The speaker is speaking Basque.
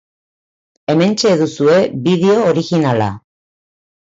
Hementxe duzue bideo originala.